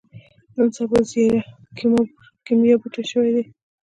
نن سبا ځيره کېميا بوټی شوې ده.